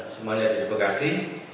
semuanya di bekasi